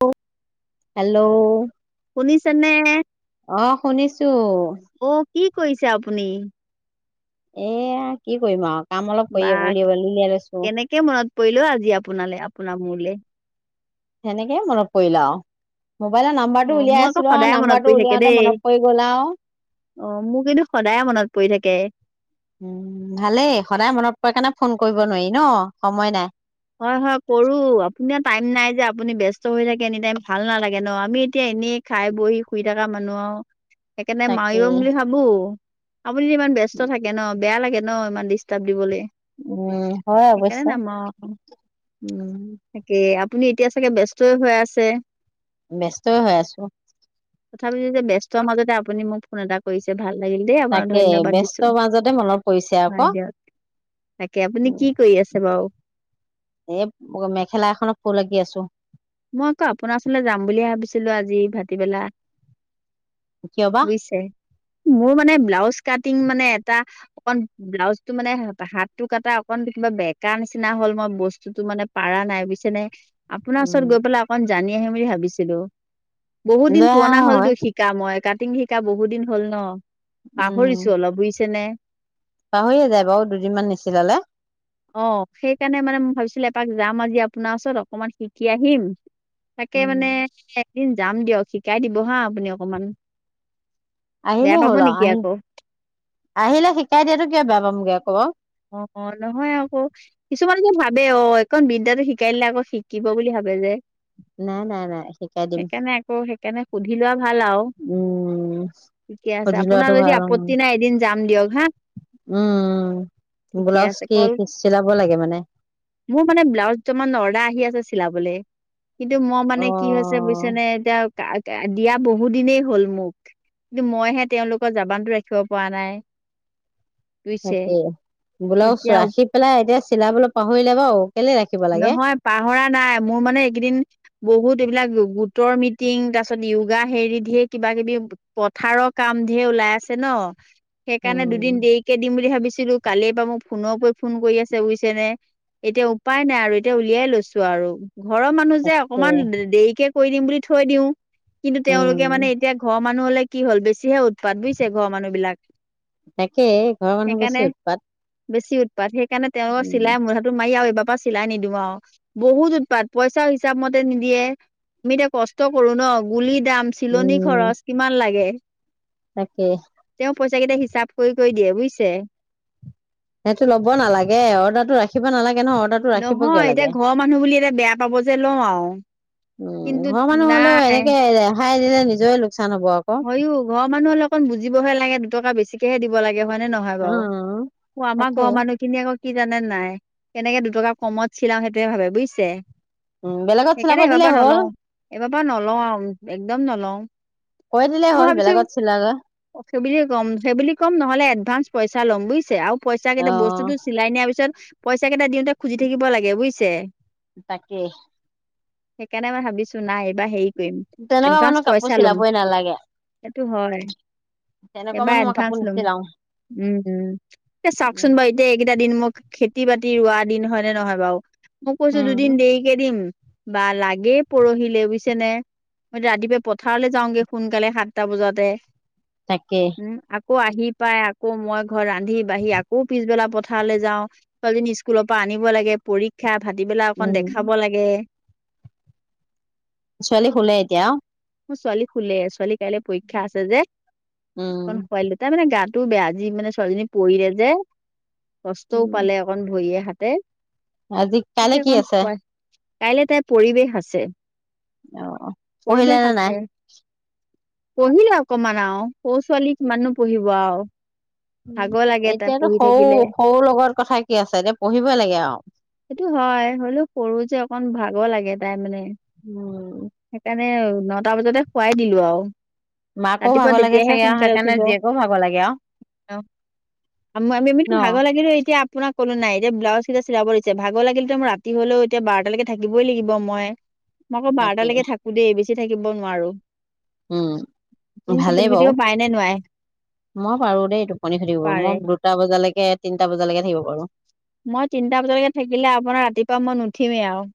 অ' hello শুনিচেনে? অ' শুনিছো। অ' কি কৰিছে আপুনি? এয়া, কি কৰিম আৰু! কাম অলপ কৰি বা উলিয়াব উলিয়াই লৈছো কেনেকে মনত পৰিল অ' আজি আপোনালৈ। আপোনাৰ মোলৈ। সেনেকেই মনত পৰিল আৰু। মোবাইলৰ অ নাম্বৰটো মোৰ উলিয়াই আকৌ আছিলো আৰু সদায় মনত পৰি নাম্বৰটো থাকে উলিয়াওতে দেই মনত পৰি গল আৰু। অ' মোৰ কিন্তু সদায় মনত পৰি থাকে। উম ভালেই সদায় মনত পৰে কাৰণে ফোন কৰিব নোৱাৰি ন, সময় নাই। হয়, হয় কৰো আপুনি টাই নাই যে আপুনি ব্যস্ত হৈ থাকে এনি টাইম ভাল নালাগে ন। আমি এতিয়া এনেই খাই বহি শুই থকা মানুহ আৰু সেইকাৰণে তাকে মাৰিম বুলি ভাবো। আপুনি যে ইমান ব্যস্ত থাকে ন, বেয়া লাগে ন ইমান ডিষ্টাৰ্ব দিবলৈ। উম, হয় অৱশ্যে। উম। তাকে আপুনি এতিয়া চাগে ব্যস্তই হৈ আছে। ব্যস্ত হৈ আছো। তথাপিওঁ যে ব্যস্ত মাজতে আপুনি মোক ফোন এটা কৰিছে। ভাল লাগিল দেই আপোনাক তাকে ধন্যবাদ দিছো। ব্যস্তৰ মাজতে মনত পৰিছে হয় আকৌ দিয়ক তাকে আপুনি কি কৰি আছে বাৰু? এ মেখেলা এখনত ফুল আকি আছো। মই আকৌ আপোনাৰ ওচৰলৈ যাম বুলিয়ে ভাবিছিলো আজি ভাটিবেলা। কিয় বা বুজিছে মোৰ মানে ব্লাউজ কাটিং মানে এটা অকন ব্লাউজটো মানে হাতটো কাটা অকন কিবা বেকা নিচিনা হ'ল মই বস্তুটো মানে পাৰা নাই বুইছেনে। আপোনা উম চৰত গৈ পেলাই অকণ জানি আহিম বুলি ভাবিছিলো। বহুত লৈ দিন পুৰণা অহা হয় হ'লতো শিকা মই। কাটিং শিকা বহুত দিন হ'ল ন? উম পাহৰিছো অলপ বুইছেনে? পাহৰিয়ে যায় বাৰু দুদিনমান নিচিলালে। অ' সেইকাৰণে মানে মই ভাবিছিলো এপাক যাম আজি আপোনাৰ ওচৰত অকমান শি কি আহিম তাকে উম মানে এদিন যাম দিয়ক শিকাই দিব হা আপুনি অকমান। বেয়া আহিলেই পাব হ'ল নেকি আৰু, আকৌ আহি আহিলে শিকাই দিয়াতো কিয় বেয়া পাম আকৌ। খবৰ? অ', অ' নহয় আকৌ কিছুমান যে ভাৱে অ' এইকণ বিদ্যাটো শিকাই দিলে আকৌ শিকিব বুলি ভাৱে যে। নাই নাই নাই শিকাই দিম সেইকাৰণে আকৌ সেইকাৰণে সুধি লোৱা ভাল আৰু। উম ঠিকে আছে সুধি লোৱাটো আপোনাৰ যদি ভাল আপত্তি নাই এদিন যাম দিয়ক হা। উম ঠিকে ব্লাউজ আছে কি কল, চিলাব লাগে মানে মোৰ মানে ব্লাউজ দুটামান অৰ্ডাৰ আহি আছে চিলাবলে। কিন্তু মই অ মানে কি হৈছে বুইছেনে এতিয়া দিয়া বহু দিনেই হ'ল মোক। কিন্তু মইহে তেওঁলোকৰ জাবানটো ৰাখিব পৰা নাই। বুইছে? বোলাউছ চোৱা সি পেলাই এ চিলাবলৈ পাহৰিলে বাৰু। কেলে ৰাখিব লাগে নহয় পাহৰা নাই, মোৰ মানে এইকেইদিন বহুত এইবিলাক গোটৰ মিটিং, তাৰ পিছত য়োগা হেৰি ধেৰ কিবা-কিবি, পথাৰৰ কাম ধেৰ ওলাই আছে ন। সেইকাৰণে দুদিন উম দেৰিকে দিম বুলি ভাবিছ ছিলো কালিৰ পৰা মোক ফোনৰ পৰা ফোন কৰি আছে বুজিছেনে, এতিয়া উপাই নাই আৰু এতিয়া উলিয়াই লৈছো আৰু। ঘৰৰ মানুহ যে সে অকমান দেৰিকে থৈ দিম বুলি থৈ দিওঁ। কিন্তু তেওঁলোকে উম মানে এতিয়া ঘৰ মানুহ হ'লে কি হ'ল বেছিহে পাত বুজিছে ঘৰৰ মানুহবিলাক তাকে ঘৰৰ মানুহ বেছি সেইকাৰণে উৎপাত বেছি উৎপাত, সেইকাৰণে তেওঁৰ উম চিলাই মুধাটো মাৰি আৰু এইবাৰ চিলাই নিদিওঁ আৰু, বহুত উৎপাত পইচা হিচাপ মতে নিদিয়ে, আমি এতিয়া কষ্ট কৰো ন, গুলি দাম চিলনি উম খৰচ কিমান লাগে। তাকে। তেওঁ পইচা কেইটা হিচাপ কৰি কৰি দিয়ে বুজিছে। সেইটো ল'ব নালাগে অৰ্ডাৰটো ৰাখি কিবানালাগে নহয় এতিয়া ঘৰৰ মানুহ বুলি এতিয়া বেয়া পাব যে লওঁ আৰু কিন্তু নাই খাইলে নিজই লোক হয়ো ঘৰৰ মানুহ লগত বুজিবহে লাগে দুটকা বেছিকেহে দিব লাগে হয় নে নহয় বাৰু? উম অ আমাৰ তাকে। ঘৰৰ মানুহখিনি আ কি জানেনে নাই, কেনেকে দুটকা কমত চিলাও সেইটোৱে ভাবে বুজিছে? উম, বেলেগত চিলাব দিলে হ'ল ঘৰৰ পৰা নলোওঁ আৰু, একদম নলোওঁ। কৈ দিলে মই হ'ল ভাবিছো, বেলেগত চিলালে ফেবেলিক কম, ফেবেলিক কম নহলে এডভান্স পইচা চা লম বুজিছে আৰু পইচা অ। কেইটা বস্তুটো চিলাই নিয়াৰ পিছত পইচা কেইটা দিওঁতে খুজি থাকিব লাগে বুজিছে? তাকে। সেইকাৰণে মই ভাবিছো নাই এইবাৰ হেৰি কৰিম তেনেকুৱা এডভান্স মানুহ কাপোৰ পইচা ল'ম চিলাবই নালাগে সেইটো হয়, তেনেকুৱা এইবাৰ মানুহ মই কাপোৰ এডভাঞ্চ লম। নিচিলাও। উম, উম এ উম চাওকচোন বাৰু এইকেইটা দিন মোক খেতি বাতি ৰোৱা দিন, হয় নে নহয় বাৰু? মই কৈছো দুদিন উম। দেৰিকে দিম বা লাগেই পৰহিলে বুজিছে নে, মই ৰাতিপুৱাই পথাৰলৈ যাওঁগে সোনকালে সাতটা বজাতে তাকে। উম আকৌ আহি পাই, আকৌ মই ঘৰত ৰান্ধি-বাঢ়ি আকৌ পিছবেলা পথাৰলৈ যাও। ছোৱালীজনী স্কুলৰ পৰা আনিব লাগে, পৰীক্ষা ক্ষা। ভাটিবেলা অকণ উম দেখাব লাগে ছোৱালী শুলে এতিয়া আও? মোৰ ছোৱালী শুলে। ছোৱালী কাইলৈ পৰীক্ষা আছে যে, অকন উম। শুৱাই দিলো। তাই মানে গাত টো বেয়া। আজি মানে ছোৱজনী পৰিলে যে। কষ্টও উম। পালে অকণ ভৰিয়ে-হাতে তে। আজি, তাকে কাইলৈ কি আছে? কাইলে তাইৰ পৰিৱেশ আছে। অ', পৰিৱেশ পঢ়িলেনে নাই? আছে পঢ়িলে অকমান আও। সৰু ছোৱালী কিমানো পঢ়িব আও। উম, ভাগৰ লাগে তাই এতিয়াতো পঢ়ি সৰু, থাকিলে সৰু লগত কথা কি আছে? এতিয়া পঢ়িব লাগে আও। গৰ লাগে তাই মানে। উম। [unintelligible] নটা বজাতে খোৱাই দিলো আৰু। মাকো ৰাতিপুৱা ভাগৰ লাগে তেতিয়াহে চাগে আৰু সোনকালে সেইকাৰণে উঠিব। জীয়েকো ভাগৰ লাগে আৰু। অমি-আমিতো ভাগৰ লাগিলেওঁ এতিয়া আপোনাক কলো নাই এতিয়া ব্লাউজ চা-চিলাব দিছে। ভাগৰ লাগিলেওঁটো মই ৰাতি হলেও এতিয়া বাৰতা লৈকে থাকিবই লাগিব মই। মই আকৌ তাকেই বাৰটালৈকে থাকো দেই, বেছ থাকিব নোৱাৰো। উম। আপুনি টোপনি ভালেই খতিব বাৰু। পাৰে নে নোৱাৰে মই পাৰো দেই টোপনি খতি কৰিব, পাৰে মই দুটা বজালৈকে [unintelligible] তিনটা বজালৈকে থাকিব পাৰো। মই তিনটা বজালকে থাকিলে আপোনাৰ, ৰাতিপুৱা মই নুঠিমেই আৰু।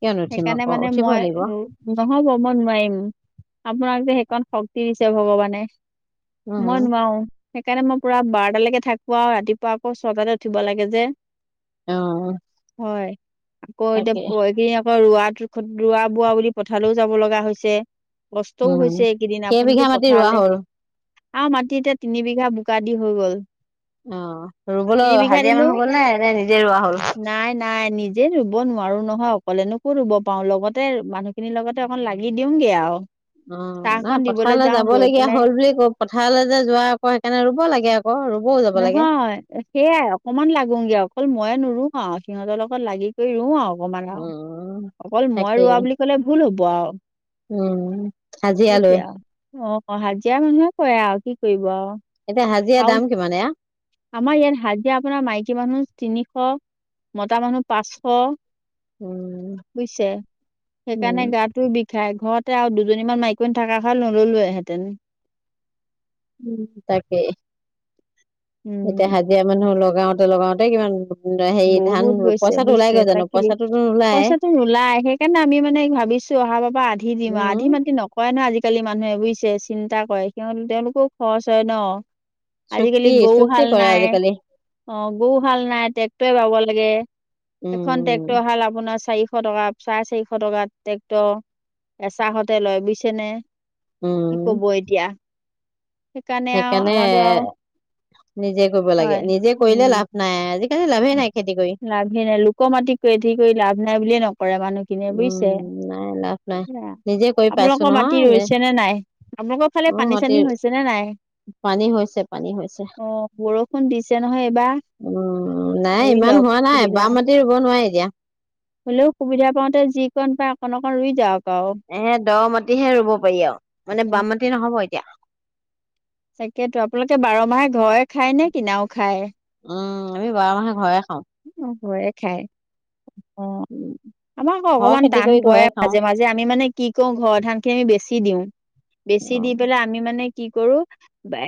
কিয় নুঠিম সেইকাৰণে আকৌ মানে উঠিবই মই, লাগিব নহব মই নোৱাৰিম। আপোনাক যে সেইকন শক্তি দিছে ভগৱানে। মই উম নোৱাৰোঁ। সেইকাৰণে মই পুৰা বাৰটালৈকে থাকো আৰু, ৰাতিপুৱা আকৌ ছটাতে উঠিব লাগে যে। অ'। হয় আকৌ এতিয়া, প কি [unintelligible] ৰোৱা, ৰোৱা-বোৱা বুলি পথাৰলেওঁ যাব লগা হৈছে। কষ্টও উম হৈছে এইকেইদিন, কেইবিঘা আপুনিতো মাটি ৰোৱা পথাৰলৈ হ'ল আমাৰ মাটি এতিয়া তিনি বিঘা বোকা দি হৈ গ'ল। অ', তিনি ৰুবলৈ বিঘা হাজিৰা দিলো মানুহ গ'ল নে, নে নিজে ৰোৱা হ'ল? নাই নাই নিজে ৰুব নোৱাৰো নহয় অকলেনো ক'ত ৰুব পাৰোঁ, লগতে মানুহখিনিৰ লগতে অকণ লাগি দিওঁগে আৰু। অ', চাহকণ নহয়, দিবলৈ পথাৰলৈ যাওঁ গৈ যাবলগীয়া পেলাই হ'ল বুলি পথাৰলৈ যে যোৱা আকৌ সেইকাৰণে ৰুব লাগে আকৌ ৰু নহয়, সেইয়াই অকমান লাগোগে আৰু, অকল মইয়ে নুৰু। অ', সিহঁতৰ লগত লাগি কৰি ৰুও আৰু। অকমান আৰু, উম অকল মই তাকেই ৰোৱা বুলি কলে ভুল হ'ব আৰু, উম হাজিৰা লৈ সেইটোৱে। অ', হাজিৰা মানুহে কৰে আৰু কি কৰিব আৰু। এতিয়া হাজিৰা আৰু দাম কিমান এইয়া? আমাৰ ইয়াত হাজিৰা আপোনাৰ মাইকী মানুহ তিনিশ, মতা মানুহ পাঁচশ। উম, বুজিছে, সেইকাৰণে উম, গাটো বিষাই, ঘৰত তাতে আৰু দুজনীমান মাইকী মানুহ থকা হয় নল'লোৱেহেঁতেন। উম, তাকে। উম এতিয়া হাজিৰা মানুহ লগ লগাওঁতে লগাওঁতে কিমান হেৰি ধান বহুত গৈছে পইচাটো ওলাই বুজিছে। গৈ জানো তাকে পইচাটোতো নোলায়। পইচাটো নোলাই, সেইকাৰণে আমি মানে ভাবিছো অহা বাৰ পা আধি দিম, আধি উম, মাতি নকৰে নহয় আজিকালি। মানুহে বুজিছে, চিন্তা কৰে। সিহঁত, তেওঁলোকৰো খৰচ হয় ন। আজিকালি চুক্তি গৰু চুক্তি হাল কৰে নাই। আজিকালি। অ', গৰু হাল নাই। [unintelligible] লাগে, এখন ট্টেক্টৰ উম, হাল আপোনাৰ চাৰিশ টকা চাৰে চাৰিশ টকাত ট্ৰেক্টৰ, এচাহতে লয় বুইছেনে? উম, কি কব এতিয়া। সেইকাৰণে আৰু, আমাৰতো আৰু নিজে কৰিব লাগে, নিজে কৰিলে লাভ নাই আজি লাভে নাই। লোকৰ মাটি খেতি কৰি লাভ নাই বুলিয়ে ন কৰে মানুহখিনিয়ে বুইছে। উম, নাই লাভ নাই। নিজে কৰি পাইছো আপোনালোকৰ নহয় মাটি এনে ৰৈছে নে নাই? আপোনালোকৰ ফালে অ' পানী মাটি চানী হৈছে নে নাই? পানী হৈছে পানী হৈছে। অ', বৰষুণ দিছে নহয় এইবাৰ। উম, নাই ৰুই ইমান লওক হোৱা নাই, সুবিধা বাম মাটি ৰুব নোৱাৰি এতিয়া। হ'লেও সুবিধা পাওঁতে যি কণ পায় অকণ অকণ ৰুই যাওক। আৰু এহে দ মাটিহে ৰুব পাৰি আৰু মানে উম, বাম মাটি নহ'ব এতিয়া। তাকেতো আপোনালোকে বাৰ মাহে ঘৰে খায় নে কিনাও খায়? উম আমি বাৰ মাহে ঘৰে খা [unintelligible] অ' ঘৰে খাই। উম, আমাৰ আকৌ ঘৰৰ অকনমান খেতি টান কৰি পৰে, ঘৰে খাওঁ মাজে মাজে আমি মানে কি কৰো ঘৰৰ ধান খিনি বেছি [unintelligible] দিওঁ। বেছি দি পেলাই আমি মানে কি কৰোঁ,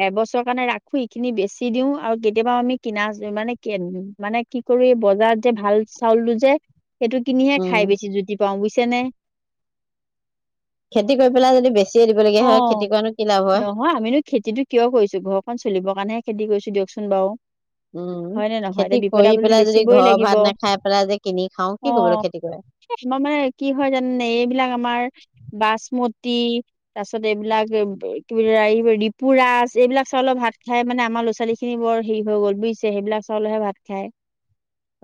এবছৰ কাৰণে ৰাখো এইখিনি বেচি দিও আৰু কেতিয়াবাও আমি কিনা মানে, মানে কি কৰোঁ, এই বজাৰত যে ভাল চাউলটো যে সেইটো কিনিহে উম খাই বেছি জুতি পাওঁ বুইছেনে? খেতি কৰি পেলাই যদি বেছি অ', নহয় আমিনো খেতিটো কিয় কৰিছো ঘৰখন চলিবৰ কাৰণে খেতি কৰিছো দিয়কচোন বাৰু। উম হয় নে নহয়, খেতি এতিয়া বিপদে কৰি আপদেটো পেলাই যদি বেচিবই ঘৰৰ লাগিব। ভাত নাখাই পেলাই যে কিনি খাওঁ কি কৰিবলৈ অ', খেতি কৰে আমাৰ মানে কি হয় জানেনে এইবিলাক আমাৰ বাছম তি তাৰ পিছত এইবিলাক কি এই ৰিপুৰাচ, এইবিলাক চাউলৰ ভাত খাই মানে আমাৰ ল'ৰা ছোৱালী খিনি বৰ হেৰি হৈ গল বুজিছে সেইবিলাক চাউলহে ভাত খায়।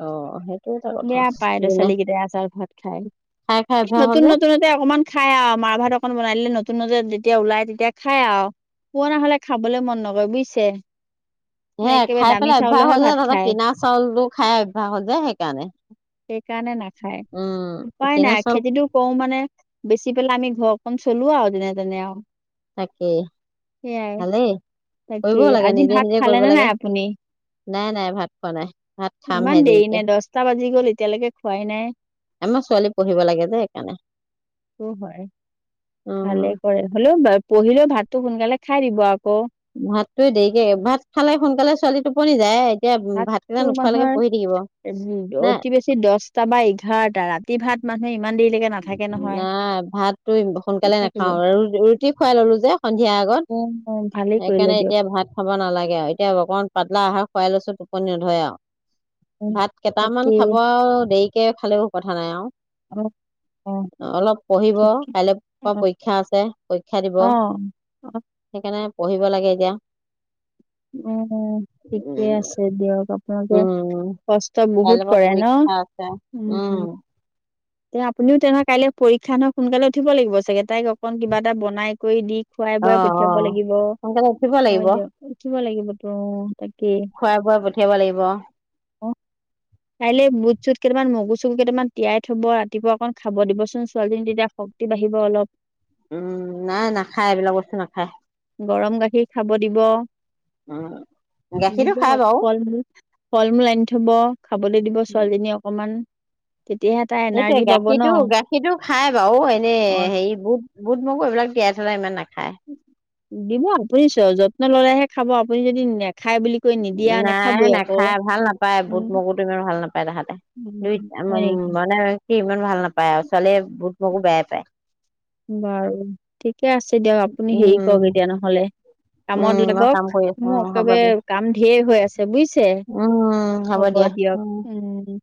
অ সেইটো এটা কথা বেয়া পাই ল'ৰা যোনে ছোৱালী কেইটাই আচল ভাত খাই। খাই খাই অভ্যাস হ'ল নতুন যে নতুনতে অকনমান খাই আৰু মাৰ ভাত অকন বনাই দিলে ন নতুনতে যেতিয়া ওলাই তেতিয়া খাই আৰু, পূৰণা হলে খাবলৈ মন নকৰে বুইছে। সেয়াই খাই পেলাই অভ্যাস হল যে, ভাত খায় কিনা চাউলটো খাই অভ্যাস হল যে সেইকাৰণে, সেইকাৰণে নাখায় উম, উপায় কিনা নাই চাউল খেতিটো কৰো মানে [unintelligible] পেলাই আমি ঘৰখন চলো আৰু। যেনে তেনে আৰু। তাকেই, সেয়াই ভালেই, তাকে কৰিবও লাগে আজি নিজে ভাত নিজে খালে কৰিব নে লাগে। নাই আপুনি নাই নাই ভাত খোৱা নাই, ভাত ইমান খামহে দেৰি নে দেৰিকে, দহটা বাজি গ'ল এতিয়ালৈকে খোৱাই নাই আমাৰ ছোৱালী পঢ়িব লাগে যে সেইকাৰণে। সেইটো হয় অ ভালে কৰে, হ'লেও বা পঢ়িলেও ভাতটো সোনকালে খাই দিব আকৌ। ভাতটোৱে দেৰিকে, ভাত খালে সোনকালে ছোৱালী টোপনি যায় এতিয়া ভাতকেইটা ভাতটো নোখোৱালৈকে মানুহৰ, পঢ়ি থাকিব নাই অতি বেছি দছটা বা এঘাৰটা, ৰাতি ভাত মানুহে ইমান দেৰিলৈকে নাথাকে নহয় নাই, ভাতটো সোনকালে নাথাকিব নাখাও ৰুটি খুৱাই ললো যে সন্ধিয়াৰ আগত। অ অ', ভালেই কৰিলে সেইকাৰণে দিয়ক এতিয়া ভাত খাব নালাগে আৰু এতিয়া অকমান পাতলা আহা খোৱাই লৈছোঁ টোপনি নধৰে আৰু। উম, ভাত কেইটামান তাকে খাব আৰু দেৰি [unintelligible] খালেও কথা নাই আৰু। অ অ অলপ পঢ়িব। ঠিক কাইলৈ অ পৰা পৰীক্ষা আছে, পৰীক্ষা দিব, অ অ', সেইকাৰণে পঢ়িব লাগে এতিয়া। উম, ঠিকে উম আছে দিয়ক, আপোনালোকে উম কষ্ট বহুত কাইলৈৰ পৰা কৰে ন', পৰীক্ষা আছে উম। তে আপুনিও তেনেহয় কাইলে পৰীক্ষা ন, সোনকালে উঠিব লাগিব চাগে, তাইক অকন কিবা এটা বনাই কৰি দি খুৱাই বোৱাই অ', পঠিয়াব অ', লাগিব সোনকালে উঠিব লাগিব। হয় দিয়ক উঠিব লাগিবটো। খোৱাই বোৱাই পঠিয়াব লাগিব। কাইলৈ বুট চুত কেইটামান মগু চগু কেইটামান তিয়াই থব, ৰাতিপুৱা অকণ খাব দিবচোন ছোৱালীজনী তেতিয়া শক্তি বাঢ়িব অলপ। উম, নাই নাখায় এইবিলাক বস্তু নাখায়। গৰম গাখীৰ খাব দিব, উম, গাখীৰটো দিব খাই বাৰু। ফল মূল ফল মূল আনি থব, খাবলে দিব ছোৱালীজনীক অকমান। তেতিয়াহে তাই সেইটোয়ে এনাৰ্জি পাব ন গাখীৰটো, গাখীৰটো খাই বাৰু এনেই অ হেৰি বুট বুট মগু এইবিলাক তিয়াই থলে ইমান না হয়। দিব, আপুনি যত্ন ল'লেহে খাব আপুনি যদি নে নাই নাখায়, ভাল নাপায় বুট উম মগুটো ইমান ভাল নাপায়। পাই তাহতে, দুই উম, হয় নেকি? মানে সি ইমান ভাল নাপায় আৰু ছোৱালীয়ে বুত মোকো বেয়াই পায়। বাৰু ঠিক ঠিকে আছে দিয়ক আপুনি হেৰি উম, কৰক এতিয়া নহলে, উম, কামত মই কাম লাগক, কৰি আছো মোৰ উম, হ'ব দিয়া একেবাৰে কাম ধঢেৰ হৈ আছে বুজিছে, উম, হ'ব দিয়া দিয়ক, উম। উম।